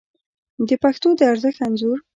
د پښتو د ارزښت انځور